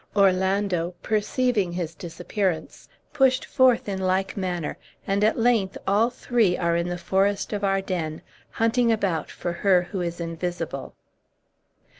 Orlando, perceiving his disappearance, pushed forth in like manner; and, at length, all three are in the forest of Arden, hunting about for her who is invisible.